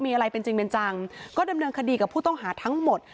มีอะไรเป็นจริงเป็นจังก็ดำเนินคดีกับผู้ต้องหาทั้งหมด